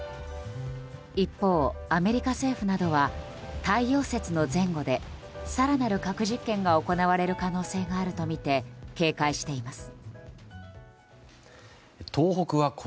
一方、アメリカ政府などは太陽節の前後で更なる核実験が行われる可能性があるとみて警戒しています。